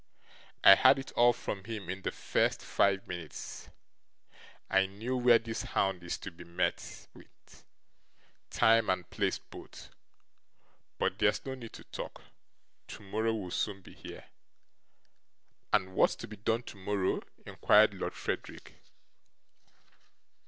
I had it all from him in the first five minutes. I know where this hound is to be met with; time and place both. But there's no need to talk; tomorrow will soon be here.' 'And wha at's to be done tomorrow?' inquired Lord Frederick.